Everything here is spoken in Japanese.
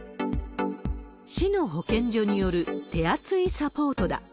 市の保健所による手厚いサポートだ。